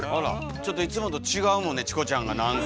ちょっといつもと違うもんねチコちゃんが。